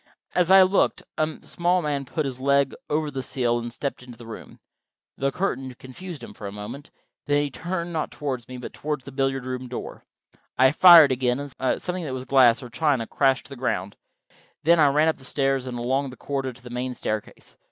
As I looked a small man put his leg over the sill and stepped into the room. The curtain confused him for a moment; then he turned, not toward me, but toward the billiard room door. I fired again, and something that was glass or china crashed to the ground. Then I ran up the stairs and along the corridor to the main staircase.